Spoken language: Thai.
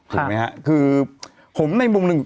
ถูกไหมฮะคือผมในมุมหนึ่ง